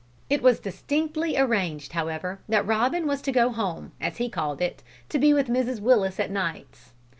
It was distinctly arranged, however, that Robin was to go home, as he called it, to be with Mrs Willis at nights.